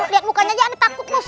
lihat mukanya aja aneh takut bos